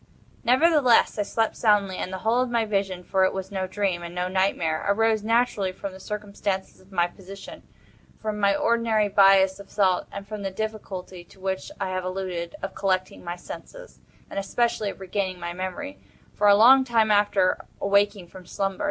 Nevertheless, I slept soundly, and the whole of my vision—for it was no dream, and no nightmare—arose naturally from the circumstances of my position—from my ordinary bias of thought—and from the difficulty, to which I have alluded, of collecting my senses, and especially of regaining my memory, for a long time after awaking from slumber.